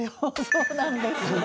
そうなんです。